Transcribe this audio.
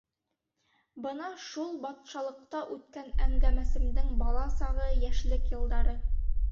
Бына шул «батшалыҡта» үткән әңгәмәсемдең бала сағы, йәшлек йылдары.